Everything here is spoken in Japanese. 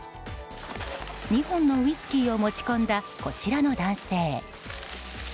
２本のウイスキーを持ち込んだこちらの男性。